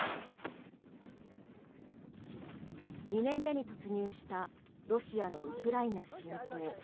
２年目に突入したロシアのウクライナ侵攻。